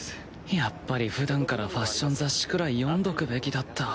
やっぱりふだんからファッション雑誌くらい読んどくべきだった。